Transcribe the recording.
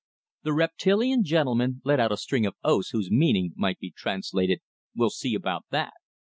The reptilian gentleman let out a string of oaths whose meaning might be translated, "We'll see about that!"